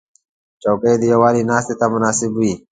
چوکۍ د یووالي ناستې ته مناسب وي.